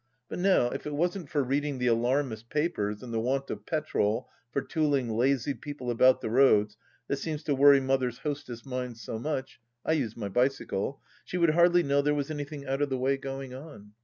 But now, if it wasn't for reading the alarmist papers and the want of petrol for tooling lazy people about the roads that seems to worry Mother's hostess mind so much — I use my bicycle — she would hardly know there was anything out of the way going on.